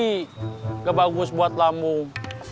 nggak bagus buat lambung